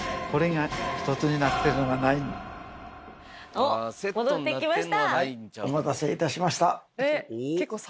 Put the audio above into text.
おっ戻ってきました！